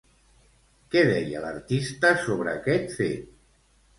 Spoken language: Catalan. Què deia l'artista sobre aquest fet?